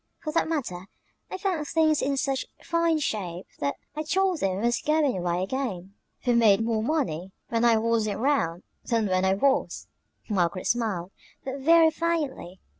For that matter, I found things in such fine shape that I told them I was going away again. We made more money when I wasn't 'round than when I was!" Margaret smiled, but very faintly.